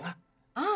ああ。